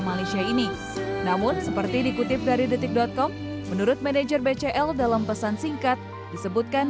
malaysia ini namun seperti dikutip dari detik com menurut manajer bcl dalam pesan singkat disebutkan